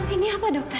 ini apa dokter